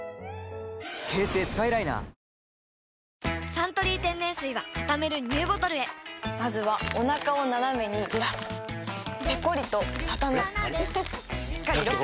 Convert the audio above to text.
「サントリー天然水」はたためるＮＥＷボトルへまずはおなかをナナメにずらすペコリ！とたたむしっかりロック！